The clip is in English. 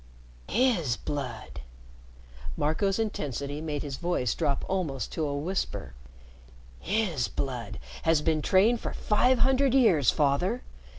"His blood," Marco's intensity made his voice drop almost to a whisper, "his blood has been trained for five hundred years, Father!